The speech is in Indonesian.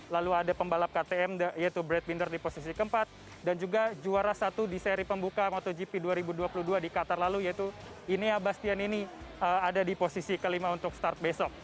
lalu ada pembalap ktm yaitu bread binder di posisi keempat dan juga juara satu di seri pembuka motogp dua ribu dua puluh dua di qatar lalu yaitu ine abastian ini ada di posisi kelima untuk start besok